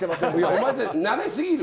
お前たち慣れすぎる！